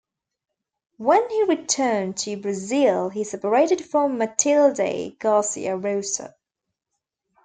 When he returned to Brazil he separated from Matilde Garcia Rosa.